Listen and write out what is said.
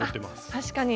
確かに。